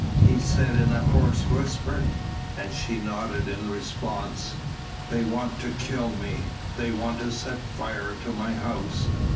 he said in a hoarse whisper. And she nodded in response. "They want to kill me ... they have set fire to my house